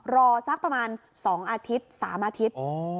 รอสักประมาณ๒อาทิตย์๓อาทิตย์